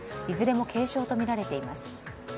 いずれも軽傷とみられています。